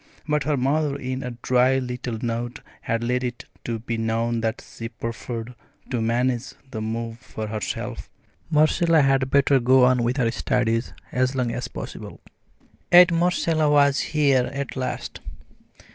But her mother in a dry little note had let it be known that she preferred to manage the move for herself. Marcella had better go on with her studies as long as possible. Yet Marcella was here at last.